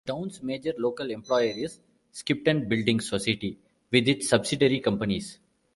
The town's major local employer is Skipton Building Society, with its subsidiary companies.